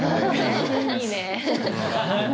いいね！